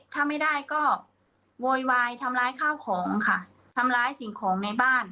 ถ้าไม่ได้ก็โวยวายทำร้ายข้าวของค่ะทำร้ายสิ่งของในบ้าน